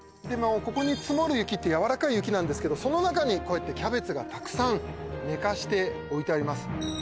ここに積もる雪って柔らかい雪なんですけどその中にこうやってキャベツがたくさん寝かして置いてあります